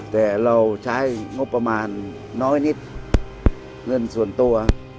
แต่เราใช้งบประมาณน้อยนิดเงินส่วนตัว